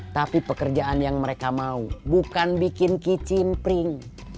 tapi pekerjaan yang mereka mau bukan bikin kicim pring